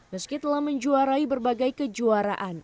meski telah menjuarai berbagai kejuaraan